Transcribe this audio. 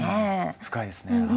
深いですねはい。